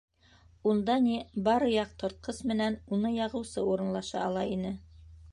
Унда ни бары яҡтыртҡыс менән уны яғыусы урынлаша ала ине.